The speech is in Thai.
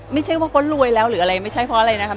ไม่ใช่ว่าเขารวยแล้วหรืออะไรไม่ใช่เพราะอะไรนะคะ